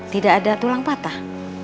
tidak ada tulang patah